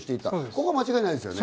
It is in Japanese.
ここは間違いないですね。